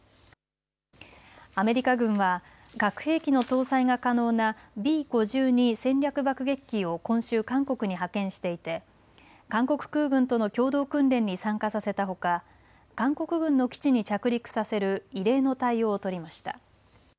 アメリカ軍は核兵器の搭載が可能なＢ５２戦略爆撃機を今週、韓国に派遣していて韓国空軍との共同訓練に参加させたほか韓国軍の基地に着陸させる異例の対応を取りました。